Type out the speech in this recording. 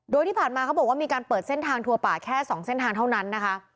โดยที่ผ่านมาเขาบอกว่ามีการเปิดเส้นทางทัวร์ป่าแค่๒เส้นทางเท่านั้นนะคะ